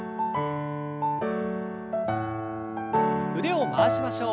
腕を回しましょう。